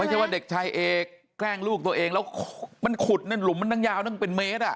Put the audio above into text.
ไม่ใช่ว่าเด็กชายเอกแกล้งลูกตัวเองแล้วมันขุดในหลุมมันตั้งยาวตั้งเป็นเมตรอ่ะ